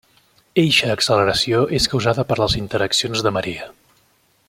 Eixa acceleració és causada per les interaccions de marea.